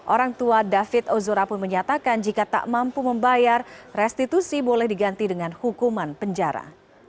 orang tua david ozora pun menyatakan jika tak mampu membayar restitusi boleh diganti dengan hukuman penjara